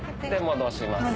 戻します。